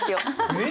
えっ！？